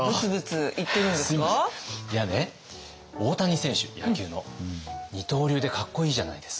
いやね大谷選手野球の二刀流でかっこいいじゃないですか。